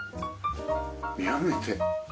見上げて。